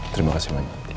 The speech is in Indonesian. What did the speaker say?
terima kasih banyak